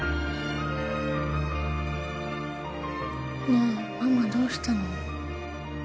ねえママどうしたの？